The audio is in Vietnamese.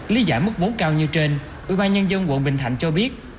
lý giải mức vốn cao như trên ủy ban nhân dân quận bình thạnh cho biết